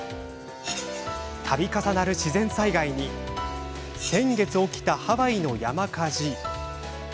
たび重なる自然災害に先月、起きたハワイの山火事。